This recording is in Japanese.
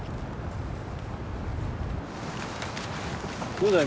どうだい？